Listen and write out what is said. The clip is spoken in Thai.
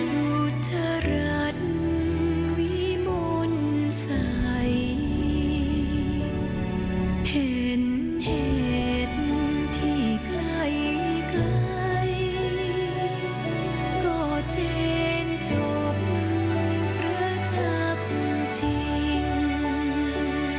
สุจรัสวิมุนใสเห็นเหตุที่ใกล้ก็เทรนจบพระจักษ์จริง